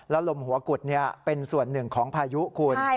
ลมหัวกุดเป็นส่วนหนึ่งของพายุคุณ